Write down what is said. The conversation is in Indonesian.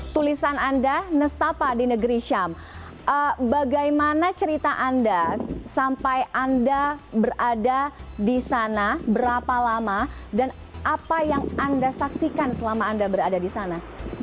tulisan anda nestapa di negeri syam bagaimana cerita anda sampai anda berada di sana berapa lama dan apa yang anda saksikan selama anda berada di sana